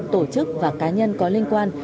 tổ chức và cá nhân có liên quan